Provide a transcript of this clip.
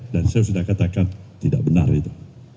dan saya sudah katakan tidak benar itu